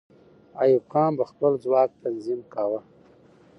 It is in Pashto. ایوب خان به خپل ځواک تنظیم کاوه.